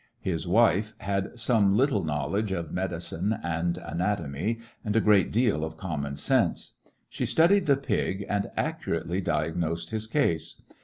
His wife had some little knowledge of medi cine and anatomy and a great deal of common sense. She studied the pig and accurately di agnosed his case.